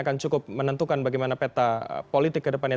akan cukup menentukan bagaimana peta politik ke depannya